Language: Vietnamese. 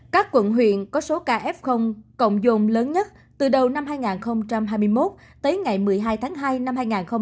các quận huyện có số ca f cộng dồn lớn nhất từ đầu năm hai nghìn hai mươi một tới ngày một mươi hai tháng hai năm hai nghìn hai mươi bốn